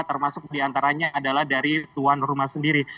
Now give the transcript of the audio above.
termasuk diantaranya adalah dari tuan rumah sendiri